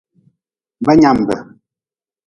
Banyanbe.